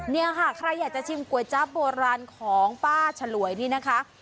เนี่ยค่ะใครอยากจะชิมก๋วยจั๊บโบราณของป้าฉลวยนี่นะคะ